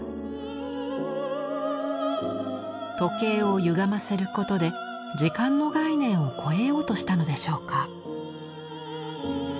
時計をゆがませることで時間の概念を超えようとしたのでしょうか。